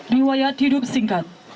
riwayat hidup singkat